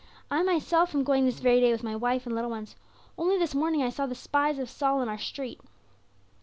I myself am going this very day with my wife and little ones; only this morning I saw the spies of Saul in our street."